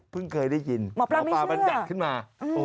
เพิ่งเคยได้ยินหมอปลามีเสื้อหมอปลามันยัดขึ้นมาอืม